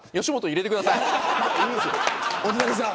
吉本、入れてください。